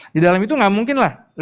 di dalam itu nggak mungkin lah